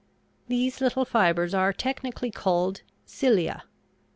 These little fibers are technically called "cilia."